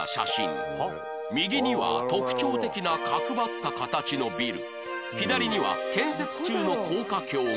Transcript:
右には特徴的な角張った形のビル左には建設中の高架橋が